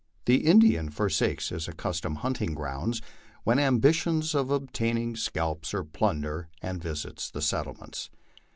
The Indian forsakes his accustomed hunting grounds when ambitious of obtaining scalps or plunder, and visits the settlements.